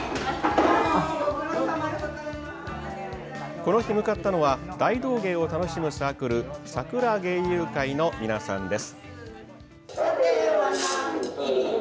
この日向かったのは大道芸を楽しむサークルさくら芸友会の皆さんです。